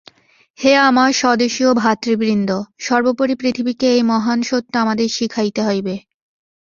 হে আমার স্বদেশীয় ভ্রাতৃবৃন্দ! সর্বোপরি পৃথিবীকে এই মহান সত্য আমাদের শিখাইতে হইবে।